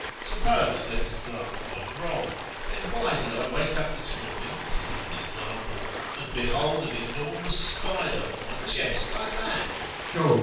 Suppose, let us grant, I am wrong; then why did I wake up this morning, to give an example, and behold an enormous spider on my chest, like that.